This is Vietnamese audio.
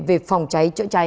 về phòng cháy chữa cháy